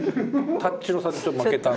タッチの差で、ちょっと負けた。